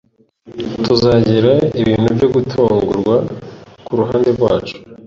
Tuzagira ibintu byo gutungurwa kuruhande rwacu.